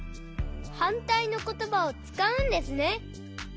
はんたいのことばをつかうんですね。